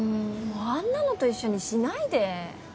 あんなのと一緒にしないで。